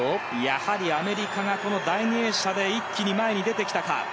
やはりアメリカが第２泳者で一気に前に出てきたか。